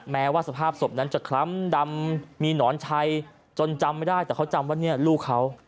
แม้ว่าสภาพศพนั้นจะคล้ำดำมีหนอนชัยจนจำไม่ได้แต่เขาจำว่าเนี่ยลูกเขา